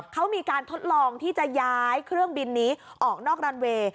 เขามีการทดลองที่จะย้ายเครื่องบินนี้ออกนอกรันเวย์